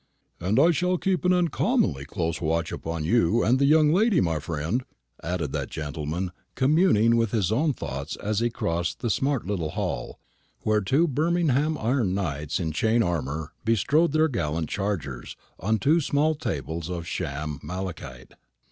"And I shall keep an uncommonly close watch upon you and the young lady, my friend," added that gentleman, communing with his own thoughts as he crossed the smart little hall, where two Birmingham iron knights in chain armour bestrode their gallant chargers, on two small tables of sham malachite.